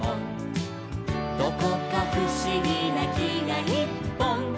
「どこかふしぎなきがいっぽん」